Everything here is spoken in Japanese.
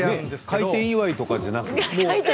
開店祝いじゃなくて？